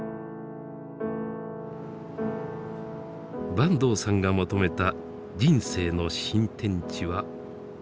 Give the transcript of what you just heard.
坂東さんが求めた人生の新天地は中国でした。